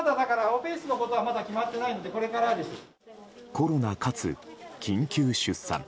コロナかつ緊急出産。